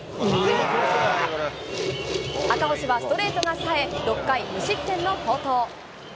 赤星はストレートがさえ、６回無失点の好投。